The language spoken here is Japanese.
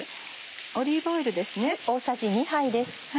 オリーブオイルですね。